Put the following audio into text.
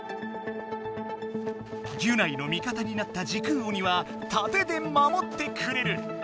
ギュナイの味方になった時空鬼は盾で守ってくれる。